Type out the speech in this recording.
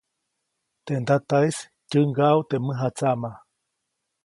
Teʼ ndataʼis tyäŋgaʼu teʼ mäjatsaʼmaʼ.